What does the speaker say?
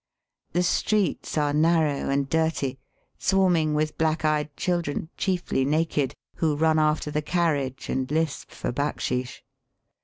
The streets are narrow and dirty, swarming with black eyed children, chiefly naked, who run after the carriage and lisp for backsheesh.